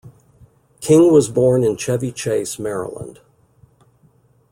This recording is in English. King was born in Chevy Chase, Maryland.